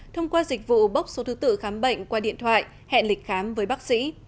thông qua dịch vụ bốc số thứ tự khám bệnh qua điện thoại hẹn lịch khám với bác sĩ